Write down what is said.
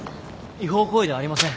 違法行為ではありません。